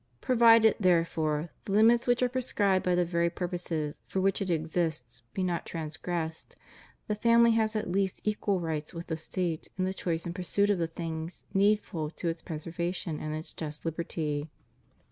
Provided, therefore, the limits which are prescribed by the very purposes for which it exists be not trangressed, the family has at least equal rights with the State in the choice and pursuit of the things needful to its preservation and its just liberty.